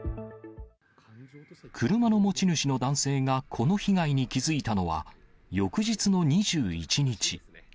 車の持ち主の男性がこの被害に気付いたのは、翌日の２１日。